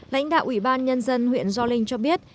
lãnh đạo ủy ban nhân dân huyện gio linh cho biết